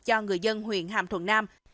cho người dân huyện hàm